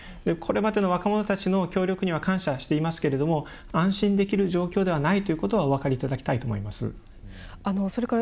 これまでの若者たちの協力には感謝していますが安心できる状況ではないとお分かりいただきたいと思います。